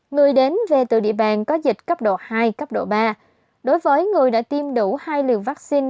người đến về từ địa bàn có dịch cấp độ hai cấp độ ba đối với người đã tiêm đủ hai liều vaccine